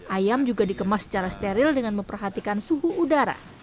ayam juga dikemas secara steril dengan memperhatikan suhu udara